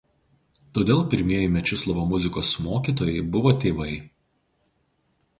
Todėl pirmieji Mečislovo muzikos mokytojai buvo tėvai.